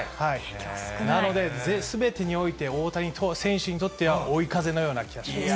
なので、すべてにおいて、大谷選手にとっては追い風のような気はします。